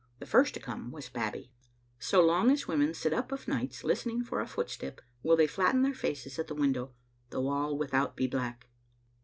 The first to come was Babbie. So long as women sit up of nights listening for a footstep, will they flatten their faces at the window, though all without be black.